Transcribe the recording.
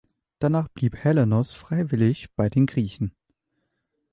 Danach blieb Helenos freiwillig bei den Griechen.